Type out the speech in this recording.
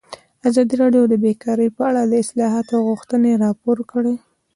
ازادي راډیو د بیکاري په اړه د اصلاحاتو غوښتنې راپور کړې.